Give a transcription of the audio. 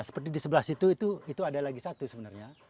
seperti di sebelah situ itu ada lagi satu sebenarnya